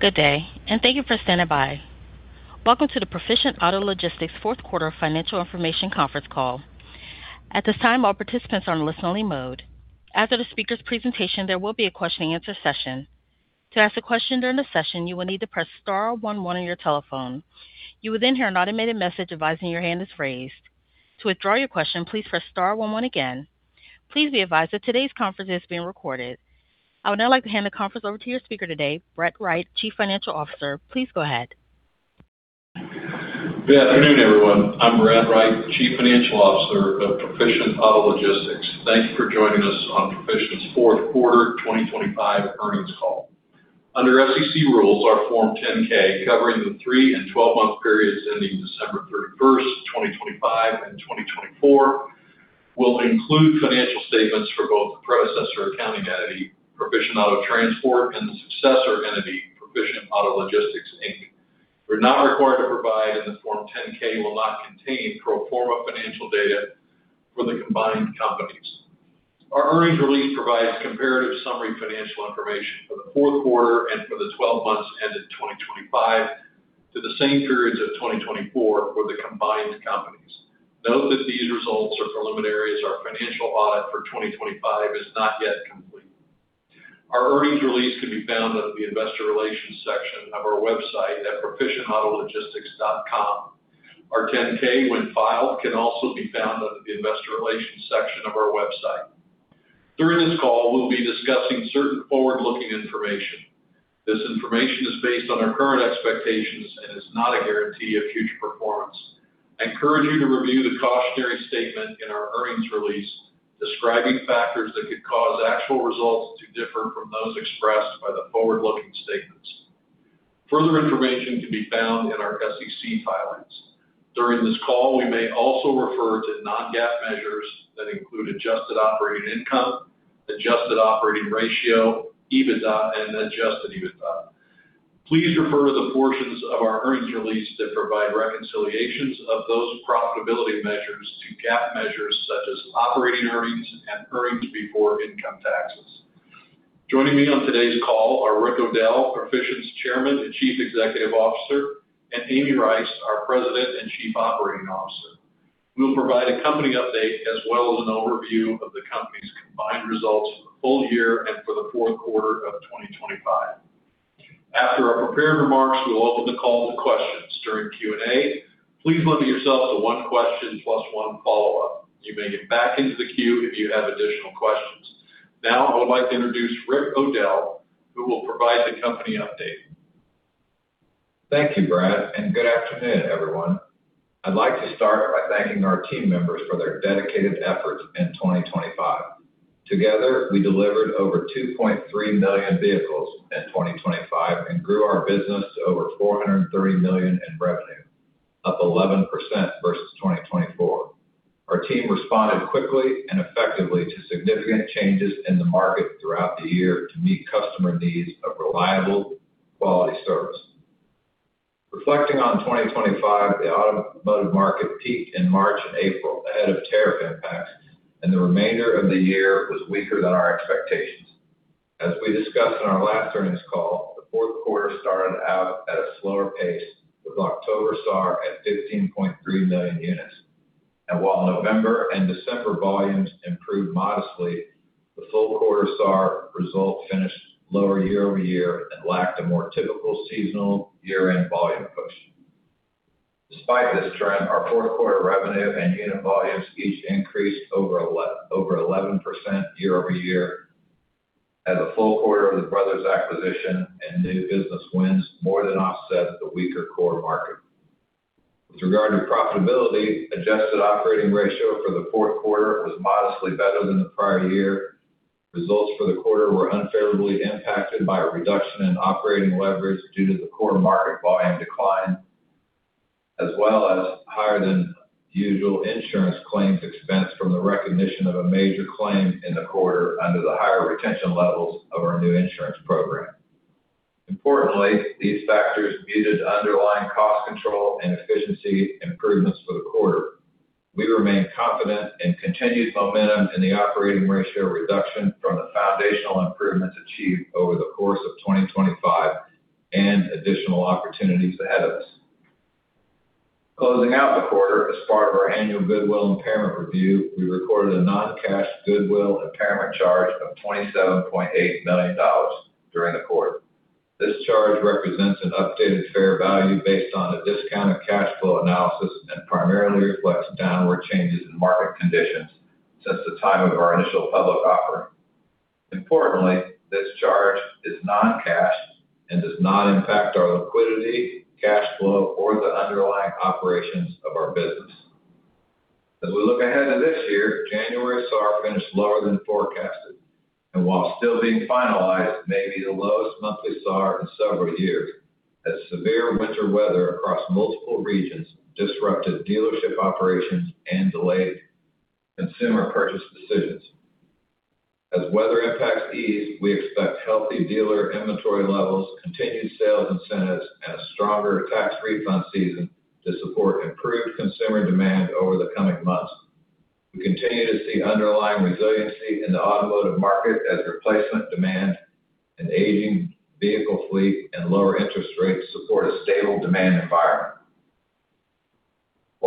Good day, and thank you for standing by. Welcome to the Proficient Auto Logistics fourth quarter financial information conference call. At this time, all participants are on listen-only mode. After the speaker's presentation, there will be a question-and-answer session. To ask a question during the session, you will need to press star one one on your telephone. You will then hear an automated message advising your hand is raised. To withdraw your question, please press star one one again. Please be advised that today's conference is being recorded. I would now like to hand the conference over to your speaker today, Brad Wright, Chief Financial Officer. Please go ahead. Good afternoon, everyone. I'm Brad Wright, Chief Financial Officer of Proficient Auto Logistics. Thank you for joining us on Proficient's fourth quarter 2025 earnings call. Under SEC rules, our Form 10-K covering the three- and 12-month periods ending December 31st, 2025, and 2024 will include financial statements for both the predecessor accounting entity, Proficient Auto Transport, and the successor entity, Proficient Auto Logistics, Inc. You're not required to provide, and the Form 10-K will not contain pro forma financial data for the combined companies. Our earnings release provides comparative summary financial information for the fourth quarter and for the 12 months ending 2025 to the same periods of 2024 for the combined companies. Note that these results are preliminary as our financial audit for 2025 is not yet complete. Our earnings release can be found under the Investor Relations section of our website at proficientautologistics.com. Our 10-K, when filed, can also be found under the Investor Relations section of our website. During this call, we'll be discussing certain forward-looking information. This information is based on our current expectations and is not a guarantee of future performance. I encourage you to review the cautionary statement in our earnings release describing factors that could cause actual results to differ from those expressed by the forward-looking statements. Further information can be found in our SEC filings. During this call, we may also refer to non-GAAP measures that include adjusted adjusted operating ratio, EBITDA, and adjusted EBITDA. Please refer to the portions of our earnings release that provide reconciliations of those profitability measures to GAAP measures such as operating earnings and earnings before income taxes. Joining me on today's call are Rick O'Dell, Proficient's Chairman and Chief Executive Officer, and Amy Rice, our President and Chief Operating Officer. We'll provide a company update as well as an overview of the company's combined results for the full year and for the fourth quarter of 2025. After our prepared remarks, we'll open the call to questions. During Q&A, please limit yourself to one question plus one follow-up. You may get back into the queue if you have additional questions. Now, I would like to introduce Rick O'Dell, who will provide the company update. Thank you, Brad, and good afternoon, everyone. I'd like to start by thanking our team members for their dedicated efforts in 2025. Together, we delivered over 2.3 million vehicles in 2025 and grew our business to over $430 million in revenue, up 11% versus 2024. Our team responded quickly and effectively to significant changes in the market throughout the year to meet customer needs of reliable, quality service. Reflecting on 2025, the automotive market peaked in March and April ahead of tariff impacts, and the remainder of the year was weaker than our expectations. As we discussed in our last earnings call, the fourth quarter started out at a slower pace with October SAR at 15.3 million units. And while November and December volumes improved modestly, the full quarter SAR result finished lower year-over-year and lacked a more typical seasonal year-end volume push. Despite this trend, our fourth quarter revenue and unit volumes each increased over 11% year-over-year as a full quarter of the Brothers' acquisition and new business wins more than offset the weaker core market. With regard adjusted operating ratio for the fourth quarter was modestly better than the prior year. Results for the quarter were unfavorably impacted by a reduction in operating leverage due to the core market volume decline, as well as higher-than-usual insurance claims expense from the recognition of a major claim in the quarter under the higher retention levels of our new insurance program. Importantly, these factors muted underlying cost control and efficiency improvements for the quarter. We remain confident in continued momentum in the operating ratio reduction from the foundational improvements achieved over the course of 2025 and additional opportunities ahead of us. Closing out the quarter, as part of our annual goodwill impairment review, we recorded a non-cash goodwill impairment charge of $27.8 million during the quarter. This charge represents an updated fair value based on a discounted cash flow analysis and primarily reflects downward changes in market conditions since the time of our initial public offering. Importantly, this charge is non-cash and does not impact our liquidity, cash flow, or the underlying operations of our business. As we look ahead to this year, January SAR finished lower than forecasted, and while still being finalized, may be the lowest monthly SAR in several years as severe winter weather across multiple regions disrupted dealership operations and delayed consumer purchase decisions. As weather impacts ease, we expect healthy dealer inventory levels, continued sales incentives, and a stronger tax refund season to support improved consumer demand over the coming months. We continue to see underlying resiliency in the automotive market as replacement demand and aging vehicle fleet and lower interest rates support a stable demand environment.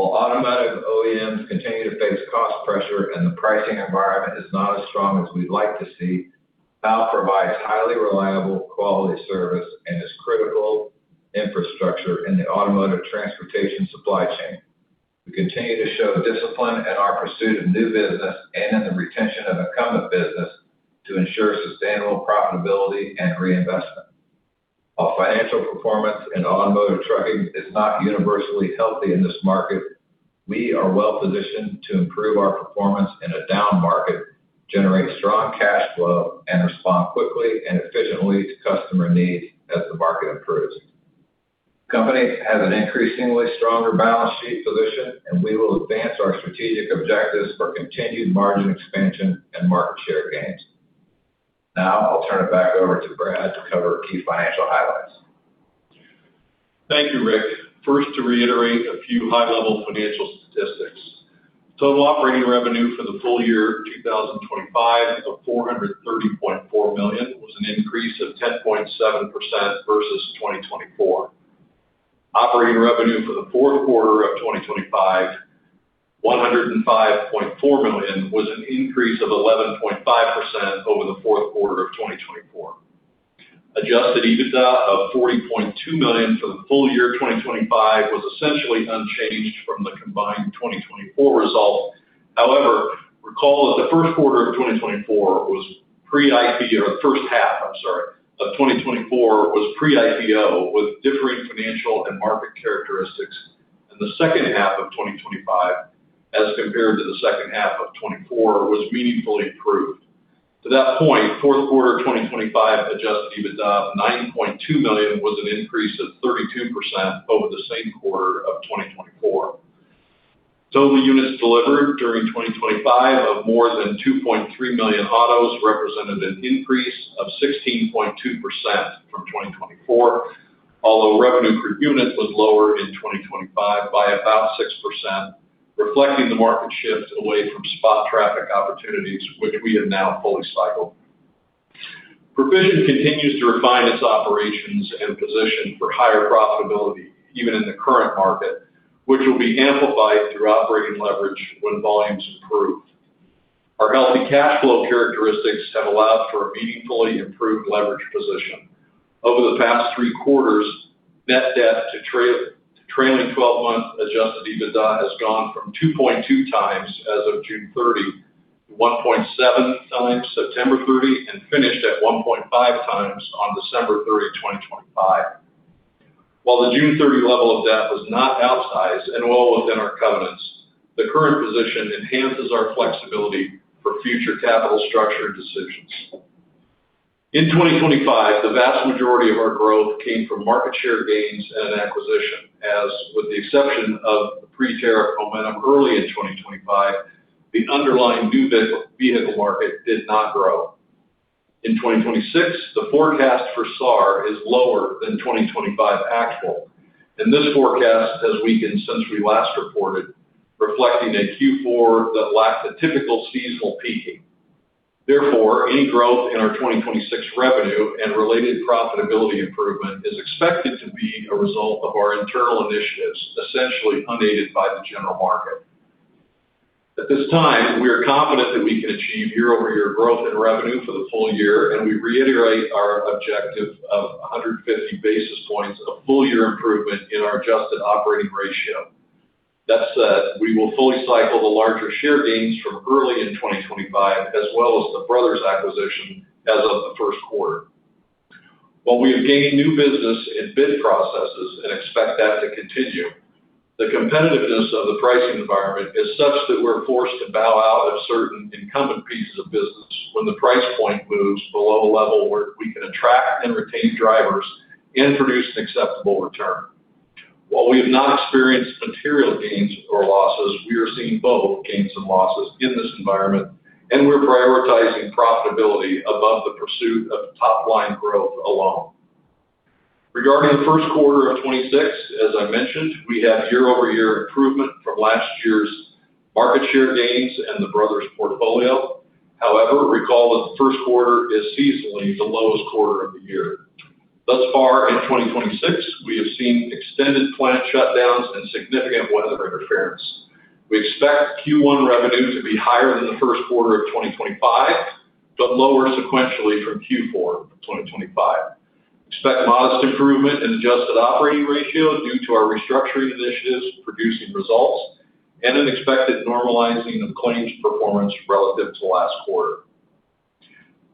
While automotive OEMs continue to face cost pressure and the pricing environment is not as strong as we'd like to see, PAL provides highly reliable, quality service, and is critical infrastructure in the automotive transportation supply chain. We continue to show discipline in our pursuit of new business and in the retention of incumbent business to ensure sustainable profitability and reinvestment. While financial performance in automotive trucking is not universally healthy in this market, we are well-positioned to improve our performance in a down market, generate strong cash flow, and respond quickly and efficiently to customer needs as the market improves. The company has an increasingly stronger balance sheet position, and we will advance our strategic objectives for continued margin expansion and market share gains. Now, I'll turn it back over to Brad to cover key financial highlights. Thank you, Rick. First, to reiterate a few high-level financial statistics. Total operating revenue for the full year 2025 of $430.4 million was an increase of 10.7% versus 2024. Operating revenue for the fourth quarter of 2025, $105.4 million, was an increase of 11.5% over the fourth quarter of 2024. Adjusted EBITDA of $40.2 million for the full year 2025 was essentially unchanged from the combined 2024 result. However, recall that the first quarter of 2024 was pre-IPO or the first half, I'm sorry, of 2024 was pre-IPO with differing financial and market characteristics, and the second half of 2025, as compared to the second half of 2024, was meaningfully improved. To that point, fourth quarter 2025 adjusted EBITDA of $9.2 million was an increase of 32% over the same quarter of 2024. Total units delivered during 2025 of more than 2.3 million autos represented an increase of 16.2% from 2024, although revenue per unit was lower in 2025 by about 6%, reflecting the market shift away from spot traffic opportunities, which we have now fully cycled. Proficient continues to refine its operations and position for higher profitability, even in the current market, which will be amplified through operating leverage when volumes improve. Our healthy cash flow characteristics have allowed for a meaningfully improved leverage position. Over the past three quarters, net debt to trailing 12-month adjusted EBITDA has gone from 2.2x as of June 30 to 1.7x September 30 and finished at 1.5x on December 30, 2025. While the June 30 level of debt was not outsized and well within our covenants, the current position enhances our flexibility for future capital structure decisions. In 2025, the vast majority of our growth came from market share gains and an acquisition. As with the exception of the pre-tariff momentum early in 2025, the underlying new vehicle market did not grow. In 2026, the forecast for SAR is lower than 2025 actual, and this forecast has weakened since we last reported, reflecting a Q4 that lacked a typical seasonal peak. Therefore, any growth in our 2026 revenue and related profitability improvement is expected to be a result of our internal initiatives, essentially unaided by the general market. At this time, we are confident that we can achieve year-over-year growth in revenue for the full year, and we reiterate our objective of 150 basis points of full-year improvement in our adjusted operating ratio. That said, we will fully cycle the larger share gains from early in 2025 as well as the Brothers' acquisition as of the first quarter. While we have gained new business in bid processes and expect that to continue, the competitiveness of the pricing environment is such that we're forced to bow out of certain incumbent pieces of business when the price point moves below a level where we can attract and retain drivers and produce an acceptable return. While we have not experienced material gains or losses, we are seeing both gains and losses in this environment, and we're prioritizing profitability above the pursuit of top-line growth alone. Regarding the first quarter of 2026, as I mentioned, we have year-over-year improvement from last year's market share gains and the Brothers' portfolio. However, recall that the first quarter is seasonally the lowest quarter of the year. Thus far in 2026, we have seen extended plant shutdowns and significant weather interference. We expect Q1 revenue to be higher than the first quarter of 2025 but lower sequentially from Q4 of 2025. Expect modest adjusted operating ratio due to our restructuring initiatives producing results and an expected normalizing of claims performance relative to last quarter.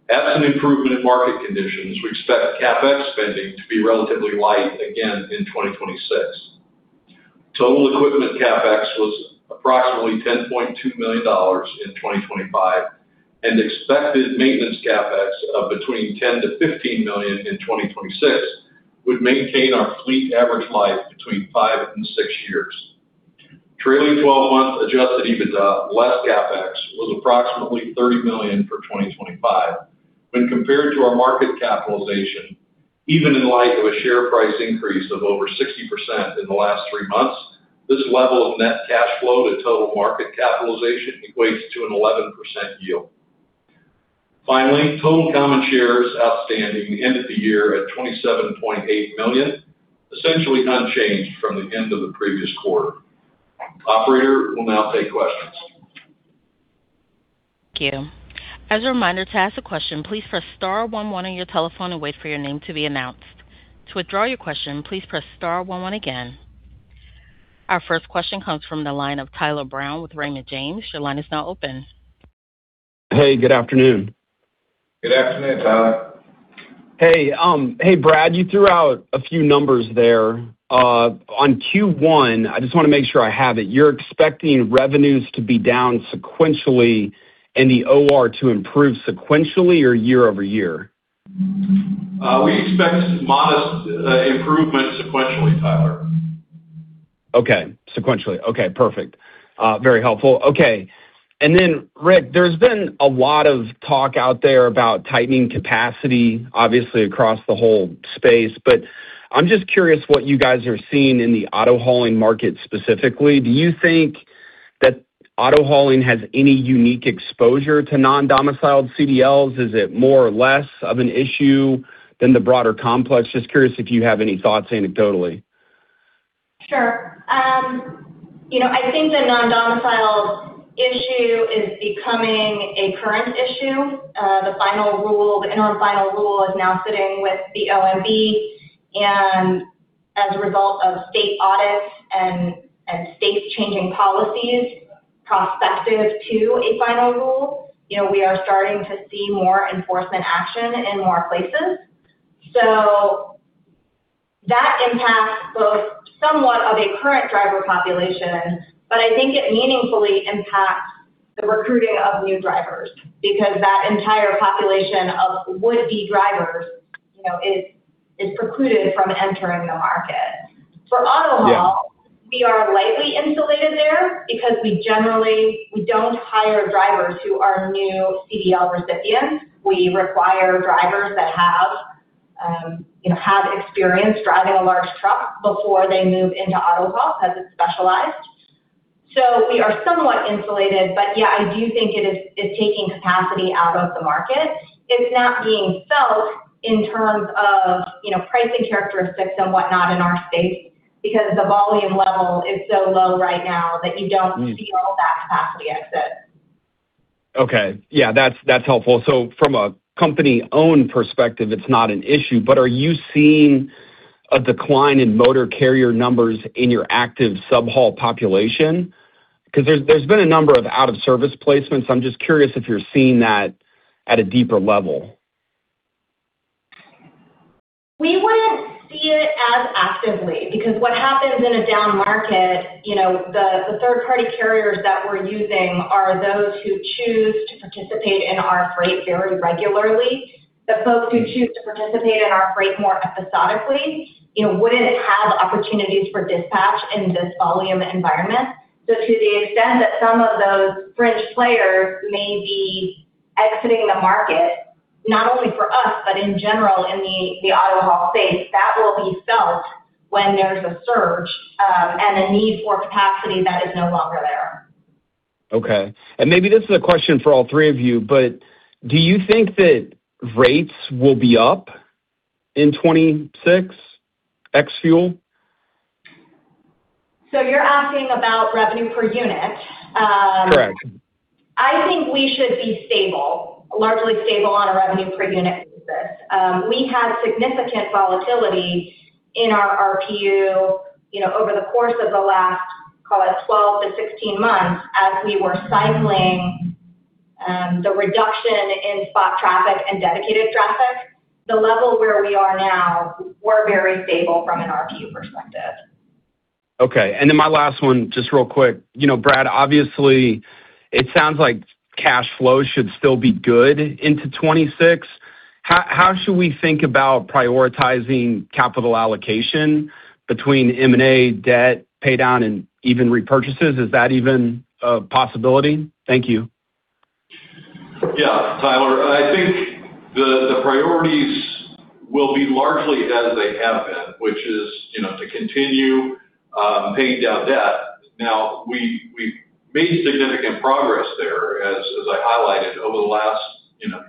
Absent improvement in market conditions, we expect CapEx spending to be relatively light again in 2026. Total equipment CapEx was approximately $10.2 million in 2025, and expected maintenance CapEx of between $10 million-$15 million in 2026 would maintain our fleet average life between five and six years. Trailing 12-month adjusted EBITDA, less CapEx, was approximately $30 million for 2025. When compared to our market capitalization, even in light of a share price increase of over 60% in the last three months, this level of net cash flow to total market capitalization equates to an 11% yield. Finally, total common shares outstanding ended the year at 27.8 million, essentially unchanged from the end of the previous quarter. Operator will now take questions. Thank you. As a reminder, to ask a question, please press star one one on your telephone and wait for your name to be announced. To withdraw your question, please press star one one again. Our first question comes from the line of Tyler Brown with Raymond James. Your line is now open. Hey, good afternoon. Good afternoon, Tyler. Hey, Brad, you threw out a few numbers there. On Q1, I just want to make sure I have it. You're expecting revenues to be down sequentially, and the OR to improve sequentially or year-over-year? We expect modest improvement sequentially, Tyler. Okay, sequentially. Okay, perfect. Very helpful. Okay. Then, Rick, there's been a lot of talk out there about tightening capacity, obviously, across the whole space, but I'm just curious what you guys are seeing in the auto hauling market specifically. Do you think that auto hauling has any unique exposure to non-domiciled CDLs? Is it more or less of an issue than the broader complex? Just curious if you have any thoughts anecdotally. Sure. I think the non-domiciled issue is becoming a current issue. The Interim Final Rule is now sitting with the OMB, and as a result of state audits and state-changing policies prospective to a final rule, we are starting to see more enforcement action in more places. So that impacts both somewhat of a current driver population, but I think it meaningfully impacts the recruiting of new drivers because that entire population of would-be drivers is precluded from entering the market. For auto haul, we are lightly insulated there because we don't hire drivers who are new CDL recipients. We require drivers that have experience driving a large truck before they move into auto haul because it's specialized. So we are somewhat insulated, but yeah, I do think it is taking capacity out of the market. It's not being felt in terms of pricing characteristics and whatnot in our space because the volume level is so low right now that you don't feel that capacity exit. Okay. Yeah, that's helpful. So from a company-owned perspective, it's not an issue, but are you seeing a decline in motor carrier numbers in your active sub-haul population? Because there's been a number of out-of-service placements. I'm just curious if you're seeing that at a deeper level. We wouldn't see it as actively because what happens in a down market, the third-party carriers that we're using are those who choose to participate in our freight very regularly. The folks who choose to participate in our freight more episodically wouldn't have opportunities for dispatch in this volume environment. So to the extent that some of those fringe players may be exiting the market, not only for us, but in general in the auto haul space, that will be felt when there's a surge and a need for capacity that is no longer there. Okay. And maybe this is a question for all three of you, but do you think that rates will be up in 2026, ex-fuel? So you're asking about revenue per unit? Correct. I think we should be largely stable on a revenue per unit basis. We had significant volatility in our RPU over the course of the last, call it, 12 to 16 months as we were cycling the reduction in spot traffic and dedicated traffic. The level where we are now, we're very stable from an RPU perspective. Okay. And then my last one, just real quick. Brad, obviously, it sounds like cash flow should still be good into 2026. How should we think about prioritizing capital allocation between M&A, debt, paydown, and even repurchases? Is that even a possibility? Thank you. Yeah, Tyler. I think the priorities will be largely as they have been, which is to continue paying down debt. Now, we've made significant progress there, as I highlighted, over the last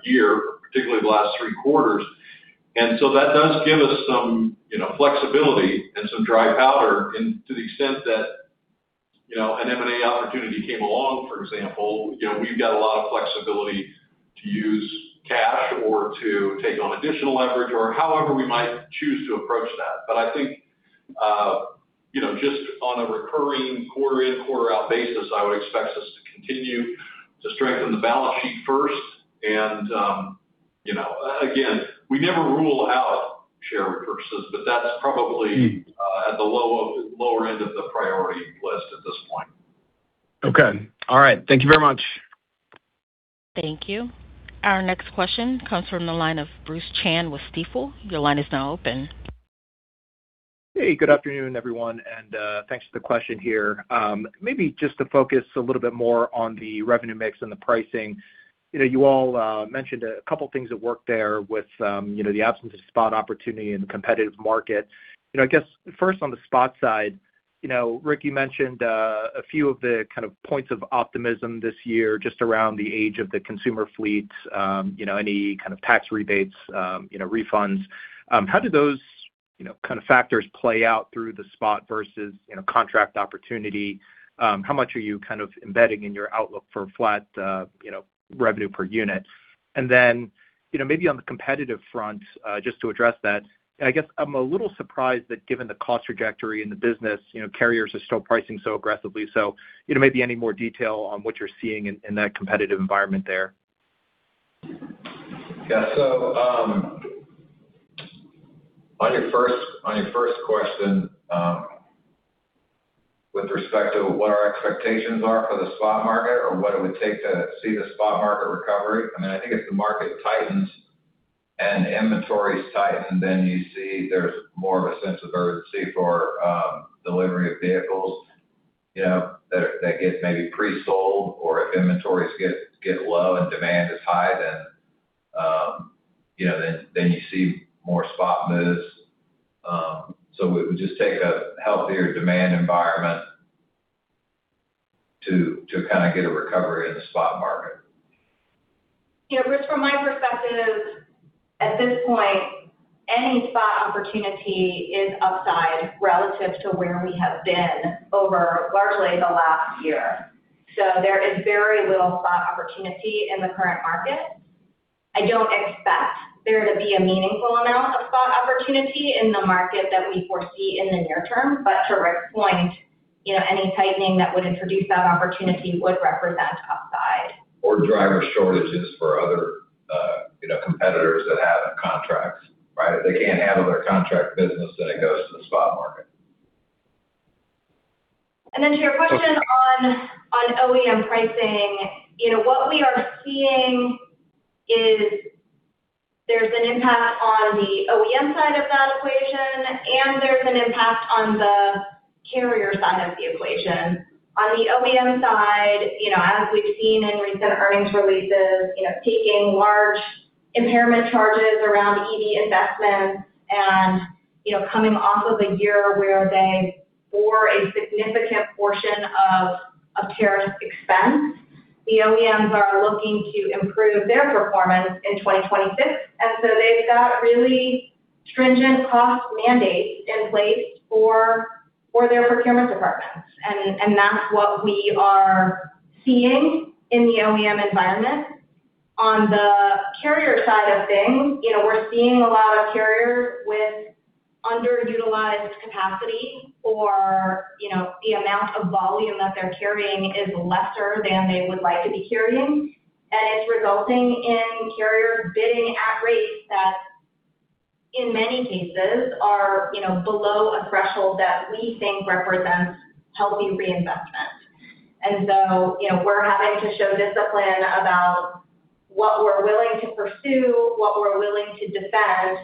year, particularly the last three quarters. And so that does give us some flexibility and some dry powder to the extent that an M&A opportunity came along, for example, we've got a lot of flexibility to use cash or to take on additional leverage or however we might choose to approach that. But I think just on a recurring quarter-in, quarter-out basis, I would expect us to continue to strengthen the balance sheet first. And again, we never rule out share repurchases, but that's probably at the lower end of the priority list at this point. Okay. All right. Thank you very much. Thank you. Our next question comes from the line of Bruce Chan with Stifel. Your line is now open. Hey, good afternoon, everyone, and thanks for the question here. Maybe just to focus a little bit more on the revenue mix and the pricing. You all mentioned a couple of things that worked there with the absence of spot opportunity in the competitive market. I guess first, on the spot side, Rick, you mentioned a few of the kind of points of optimism this year just around the age of the consumer fleet, any kind of tax rebates, refunds. How did those kind of factors play out through the spot versus contract opportunity? How much are you kind of embedding in your outlook for flat revenue per unit? And then maybe on the competitive front, just to address that, I guess I'm a little surprised that given the cost trajectory in the business, carriers are still pricing so aggressively? Maybe any more detail on what you're seeing in that competitive environment there? Yeah. So on your first question with respect to what our expectations are for the spot market or what it would take to see the spot market recovery, I mean, I think if the market tightens and inventories tighten, then you see there's more of a sense of urgency for delivery of vehicles that get maybe pre-sold. Or if inventories get low and demand is high, then you see more spot moves. So it would just take a healthier demand environment to kind of get a recovery in the spot market. Yeah, Bruce, from my perspective, at this point, any spot opportunity is upside relative to where we have been over largely the last year. So there is very little spot opportunity in the current market. I don't expect there to be a meaningful amount of spot opportunity in the market that we foresee in the near term. But to Rick's point, any tightening that would introduce that opportunity would represent upside. Or driver shortages for other competitors that have contracts, right? If they can't handle their contract business, then it goes to the Spot Market. And then to your question on OEM pricing, what we are seeing is there's an impact on the OEM side of that equation, and there's an impact on the carrier side of the equation. On the OEM side, as we've seen in recent earnings releases, taking large impairment charges around EV investments and coming off of a year where they bore a significant portion of tariff expense, the OEMs are looking to improve their performance in 2026. And so they've got really stringent cost mandates in place for their procurement departments. And that's what we are seeing in the OEM environment. On the carrier side of things, we're seeing a lot of carriers with underutilized capacity or the amount of volume that they're carrying is lesser than they would like to be carrying. It's resulting in carriers bidding at rates that, in many cases, are below a threshold that we think represents healthy reinvestment. So we're having to show discipline about what we're willing to pursue, what we're willing to defend,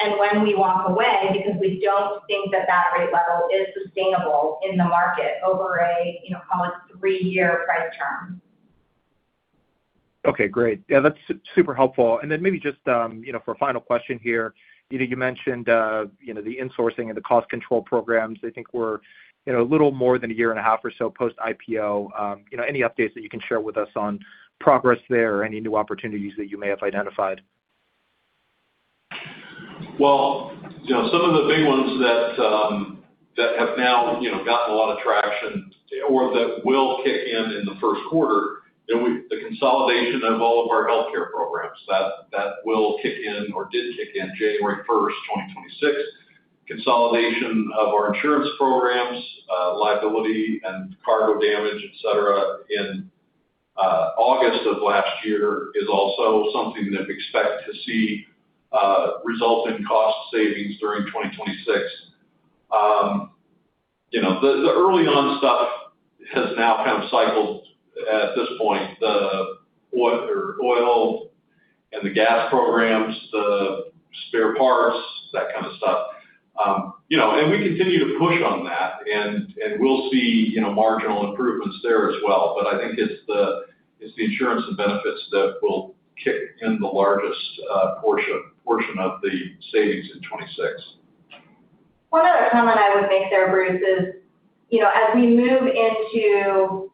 and when we walk away because we don't think that that rate level is sustainable in the market over a, call it, three-year price term. Okay, great. Yeah, that's super helpful. And then maybe just for a final question here, you mentioned the insourcing and the cost control programs. I think we're a little more than a year and a half or so post-IPO. Any updates that you can share with us on progress there or any new opportunities that you may have identified? Well, some of the big ones that have now gotten a lot of traction or that will kick in in the first quarter, the consolidation of all of our healthcare programs. That will kick in or did kick in January 1st, 2026. Consolidation of our insurance programs, liability and cargo damage, etc., in August of last year is also something that we expect to see result in cost savings during 2026. The early-on stuff has now kind of cycled at this point, the oil and the gas programs, the spare parts, that kind of stuff. And we continue to push on that, and we'll see marginal improvements there as well. But I think it's the insurance and benefits that will kick in the largest portion of the savings in 2026. One other comment I would make there, Bruce, is as we move into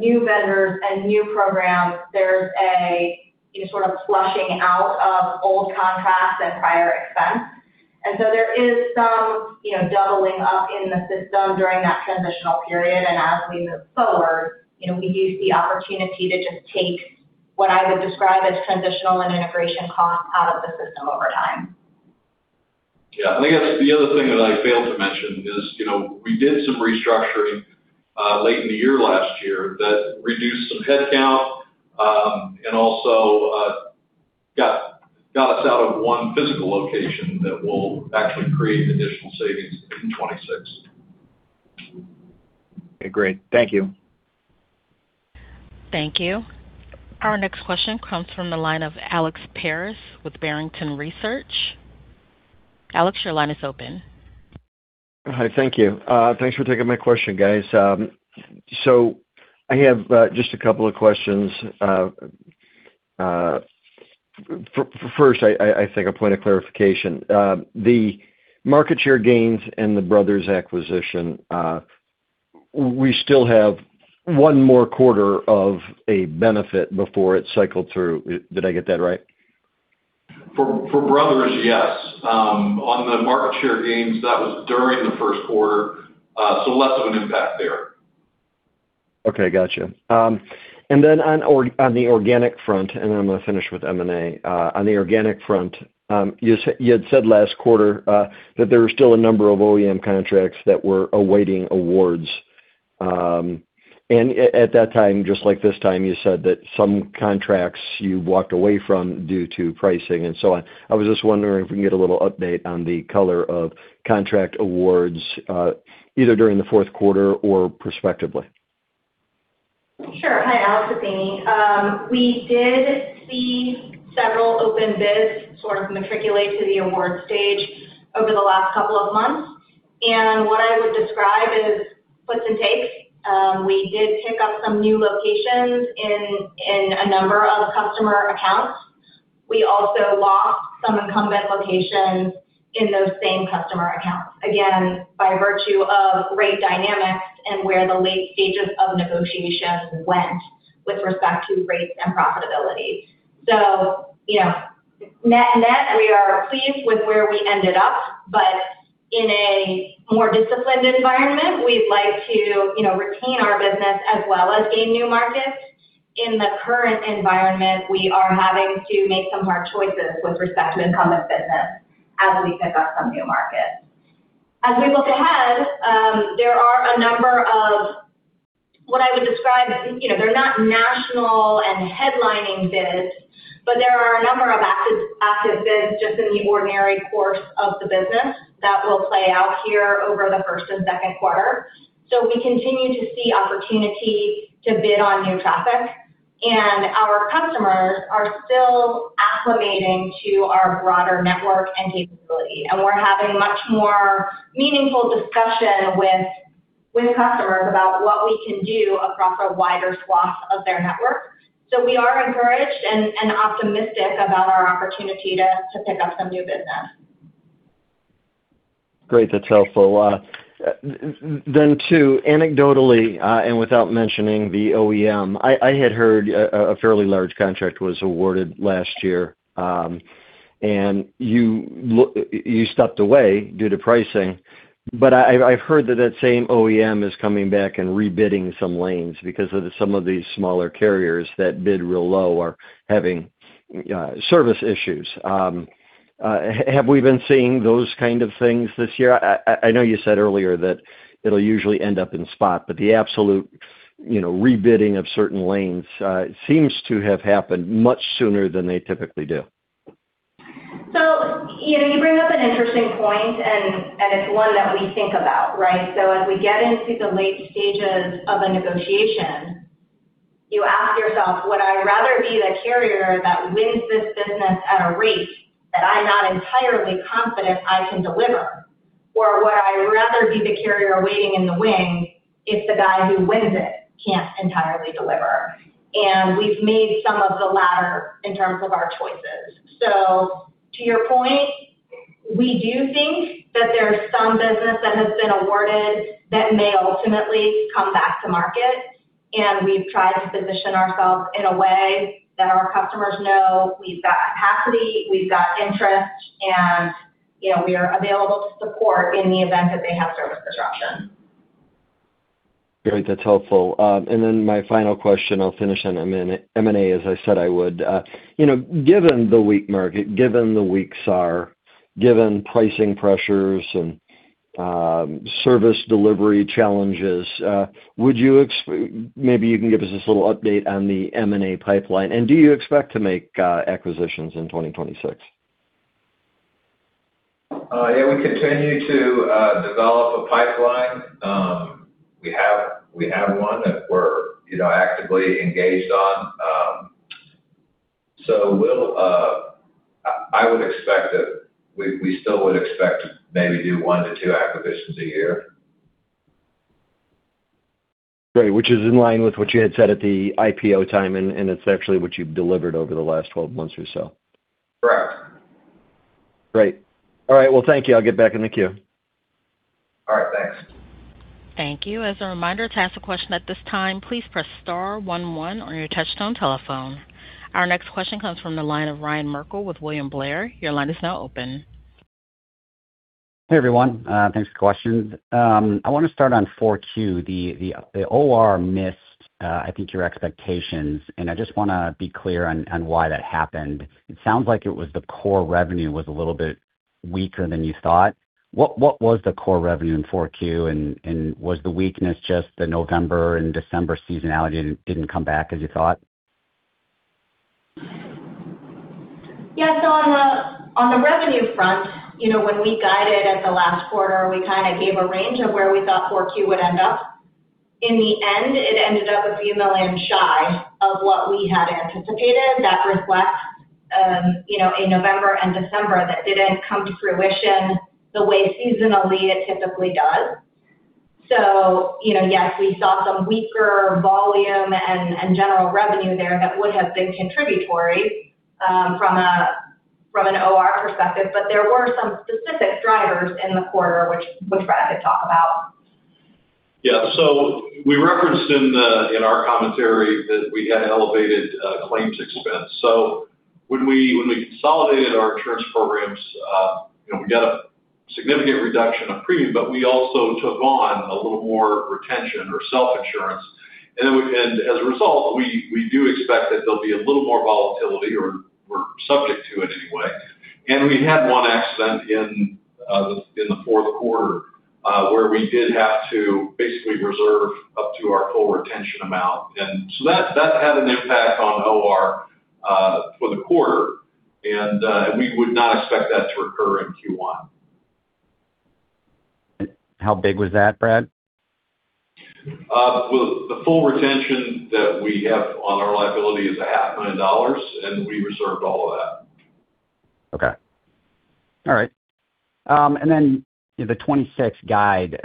new vendors and new programs, there's a sort of flushing out of old contracts and prior expense. And so there is some doubling up in the system during that transitional period. And as we move forward, we do see opportunity to just take what I would describe as transitional and integration costs out of the system over time. Yeah. I guess the other thing that I failed to mention is we did some restructuring late in the year last year that reduced some headcount and also got us out of one physical location that will actually create additional savings in 2026. Okay, great. Thank you. Thank you. Our next question comes from the line of Alex Paris with Barrington Research. Alex, your line is open. Hi, thank you. Thanks for taking my question, guys. So I have just a couple of questions. First, I think a point of clarification. The market share gains and the Brothers acquisition, we still have one more quarter of a benefit before it cycles through. Did I get that right? For Brothers, yes. On the market share gains, that was during the first quarter, so less of an impact there. Okay, gotcha. And then on the organic front, and I'm going to finish with M&A, on the organic front, you had said last quarter that there were still a number of OEM contracts that were awaiting awards. And at that time, just like this time, you said that some contracts you walked away from due to pricing and so on. I was just wondering if we can get a little update on the color of contract awards either during the fourth quarter or prospectively. Sure. Hi, Alex Paris. We did see several open bids sort of matriculate to the award stage over the last couple of months. And what I would describe as puts and takes, we did pick up some new locations in a number of customer accounts. We also lost some incumbent locations in those same customer accounts, again, by virtue of rate dynamics and where the late stages of negotiations went with respect to rates and profitability. So net, net, we are pleased with where we ended up. But in a more disciplined environment, we'd like to retain our business as well as gain new markets. In the current environment, we are having to make some hard choices with respect to incumbent business as we pick up some new markets. As we look ahead, there are a number of what I would describe, they're not national and headlining bids, but there are a number of active bids just in the ordinary course of the business that will play out here over the first and second quarter. We continue to see opportunity to bid on new traffic. Our customers are still acclimating to our broader network and capability. We're having much more meaningful discussion with customers about what we can do across a wider swath of their network. We are encouraged and optimistic about our opportunity to pick up some new business. Great. That's helpful. Then too, anecdotally and without mentioning the OEM, I had heard a fairly large contract was awarded last year, and you stepped away due to pricing. But I've heard that that same OEM is coming back and rebidding some lanes because of some of these smaller carriers that bid real low are having service issues. Have we been seeing those kind of things this year? I know you said earlier that it'll usually end up in spot, but the absolute rebidding of certain lanes seems to have happened much sooner than they typically do. So you bring up an interesting point, and it's one that we think about, right? So as we get into the late stages of a negotiation, you ask yourself, "Would I rather be the carrier that wins this business at a rate that I'm not entirely confident I can deliver? Or would I rather be the carrier waiting in the wings if the guy who wins it can't entirely deliver?" And we've made some of the latter in terms of our choices. So to your point, we do think that there's some business that has been awarded that may ultimately come back to market. And we've tried to position ourselves in a way that our customers know we've got capacity, we've got interest, and we are available to support in the event that they have service disruption. Great. That's helpful. And then my final question, I'll finish on M&A. As I said, I would given the weak market, given the weak SAR, given pricing pressures and service delivery challenges, maybe you can give us this little update on the M&A pipeline. And do you expect to make acquisitions in 2026? Yeah, we continue to develop a pipeline. We have one that we're actively engaged on. So I would expect that we still would expect to maybe do 1-2 acquisitions a year. Great, which is in line with what you had said at the IPO time, and it's actually what you've delivered over the last 12 months or so. Correct. Great. All right. Well, thank you. I'll get back in the queue. All right. Thanks. Thank you. As a reminder, to ask a question at this time, please press star one one on your touch-tone telephone. Our next question comes from the line of Ryan Merkel with William Blair. Your line is now open. Hey, everyone. Thanks for the questions. I want to start on 4Q. The OR missed, I think, your expectations. I just want to be clear on why that happened. It sounds like it was the core revenue was a little bit weaker than you thought. What was the core revenue in 4Q? Was the weakness just the November and December seasonality didn't come back as you thought? Yeah. So on the revenue front, when we guided at the last quarter, we kind of gave a range of where we thought 4Q would end up. In the end, it ended up a few million shy of what we had anticipated that reflects a November and December that didn't come to fruition the way seasonally it typically does. So yes, we saw some weaker volume and general revenue there that would have been contributory from an OR perspective. But there were some specific drivers in the quarter, which Brad could talk about. Yeah. So we referenced in our commentary that we had elevated claims expense. So when we consolidated our insurance programs, we got a significant reduction of premium, but we also took on a little more retention or self-insurance. And as a result, we do expect that there'll be a little more volatility or we're subject to it anyway. And we had one accident in the fourth quarter where we did have to basically reserve up to our full retention amount. And so that had an impact on OR for the quarter. And we would not expect that to recur in Q1. How big was that, Brad? Well, the full retention that we have on our liability is $500,000, and we reserved all of that. Okay. All right. And then the 2026 guide,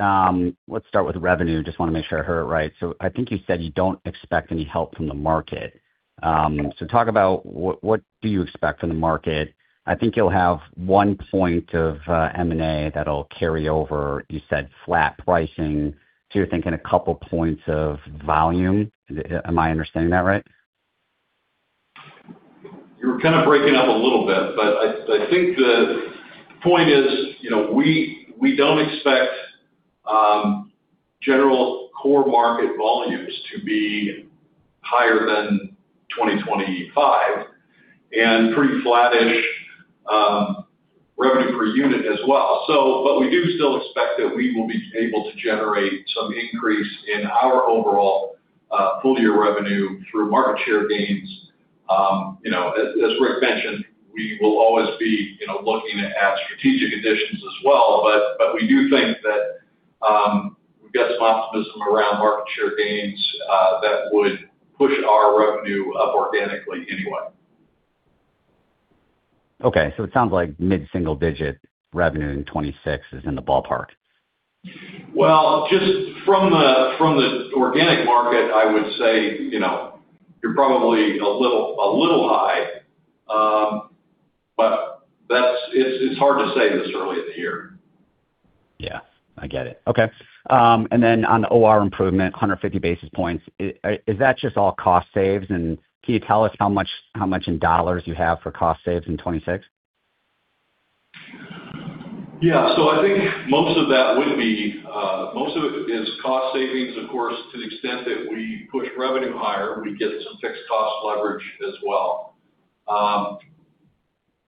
let's start with revenue. Just want to make sure I heard it right. So I think you said you don't expect any help from the market. So talk about what do you expect from the market? I think you'll have one point of M&A that'll carry over, you said, flat pricing. So you're thinking a couple points of volume. Am I understanding that right? You were kind of breaking up a little bit. But I think the point is we don't expect general core market volumes to be higher than 2025 and pretty flat-ish revenue per unit as well. But we do still expect that we will be able to generate some increase in our overall full-year revenue through market share gains. As Rick mentioned, we will always be looking at strategic additions as well. But we do think that we've got some optimism around market share gains that would push our revenue up organically anyway. Okay. So it sounds like mid-single-digit revenue in 2026 is in the ballpark. Well, just from the organic market, I would say you're probably a little high. But it's hard to say this early in the year. Yeah. I get it. Okay. And then on the OR improvement, 150 basis points, is that just all cost saves? And can you tell us how much in dollars you have for cost saves in 2026? Yeah. So I think most of that would be most of it is cost savings, of course, to the extent that we push revenue higher, we get some fixed cost leverage as well.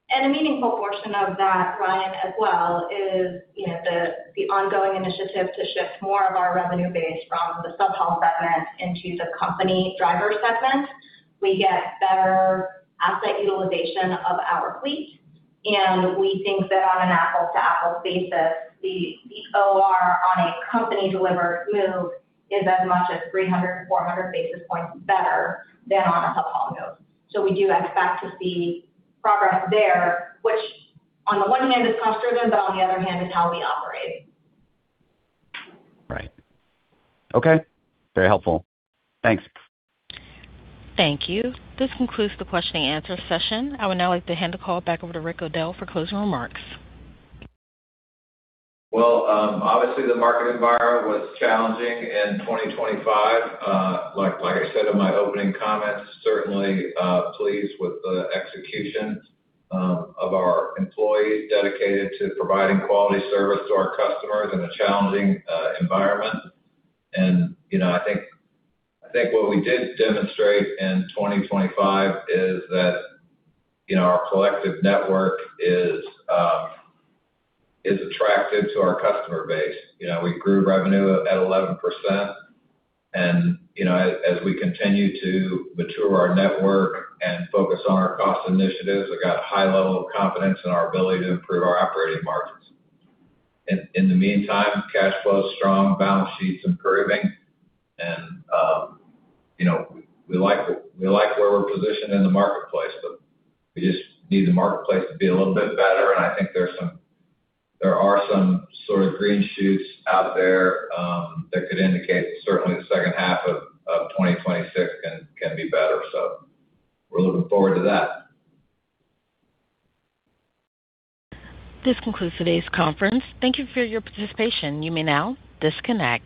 A meaningful portion of that, Ryan, as well is the ongoing initiative to shift more of our revenue base from the sub-haul segment into the company driver segment. We get better asset utilization of our fleet. We think that on an apples-to-apples basis, the OR on a company-delivered move is as much as 300-400 basis points better than on a sub-haul move. We do expect to see progress there, which on the one hand, is cost-driven, but on the other hand, is how we operate. Right. Okay. Very helpful. Thanks. Thank you. This concludes the question-and-answer session. I would now like to hand the call back over to Rick O'Dell for closing remarks. Well, obviously, the market environment was challenging in 2025. Like I said in my opening comments, certainly pleased with the execution of our employees dedicated to providing quality service to our customers in a challenging environment. I think what we did demonstrate in 2025 is that our collective network is attractive to our customer base. We grew revenue at 11%. As we continue to mature our network and focus on our cost initiatives, we've got a high level of confidence in our ability to improve our operating margins. In the meantime, cash flow is strong, balance sheet's improving. We like where we're positioned in the marketplace, but we just need the marketplace to be a little bit better. I think there are some sort of green shoots out there that could indicate that certainly the second half of 2026 can be better. We're looking forward to that. This concludes today's conference. Thank you for your participation. You may now disconnect.